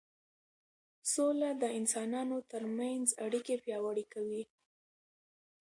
سوله د انسانانو ترمنځ اړیکې پیاوړې کوي